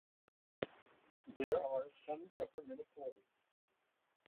There are some government employees.